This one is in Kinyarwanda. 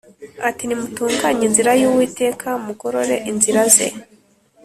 ati ‘Nimutunganye inzira y’Uwiteka, Mugorore inzira ze.’ ”